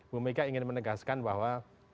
bumn ingin menegaskan bahwa